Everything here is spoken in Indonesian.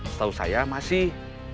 setahu saya masih